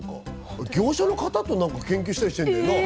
業者の方と研究したりしてんだよな？